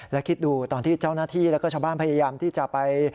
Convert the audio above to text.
แล้วคิดดูตอนที่เจ้าหน้าที่แล้วก็ชาวบ้านพยายามที่จะไป